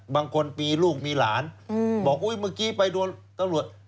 บางทีลูกมีหลานบอกอุ๊ยเมื่อกี้ไปโดนตำรวจ